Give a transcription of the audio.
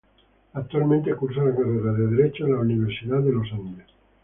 Actualmente cursa la carrera de Derecho en la Universidad de los Andes.